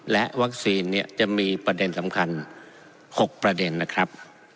และวัคซีนเนี่ยจะมีประเด็นสำคัญ๖ประเด็นนะครับ